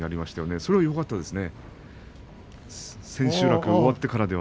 それはよかったですね。